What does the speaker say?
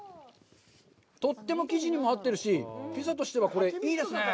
とっても生地にも合ってるし、ピザとしてはいいですね。